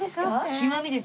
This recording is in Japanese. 極みです。